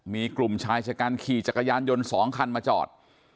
มีกลุ่มชายชะกันขี่จักรยานยนต์๒คันมาจอด